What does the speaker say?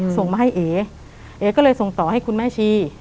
ส่งมาให้เอเอก็เลยส่งต่อให้คุณแม่ชี